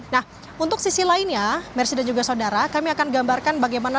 nah untuk sisi lainnya mersi dan juga saudara kami akan gambarkan bagaimana